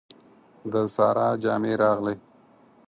د سارا جامې راغلې.